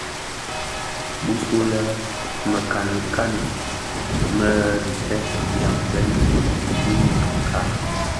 Bisule le mekani kani mè dheteb byamzèn dhiguňa kka.